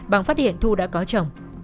bằng phát hiện thu đã có chồng